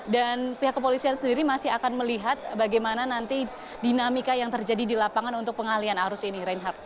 dan pihak kepolisian sendiri masih akan melihat bagaimana nanti dinamika yang terjadi di lapangan untuk pengalian arus ini reinhardt